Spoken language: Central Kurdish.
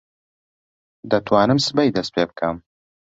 دەتوانم سبەی دەست پێ بکەم.